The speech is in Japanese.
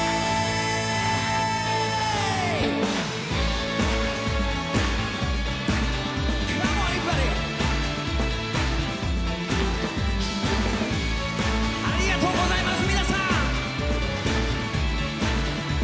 ありがとうございます。